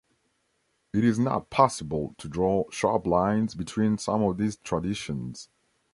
It is not possible to draw sharp lines between some of these traditions.